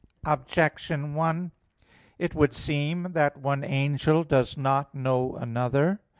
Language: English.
Objection 1: It would seem that one angel does not know another.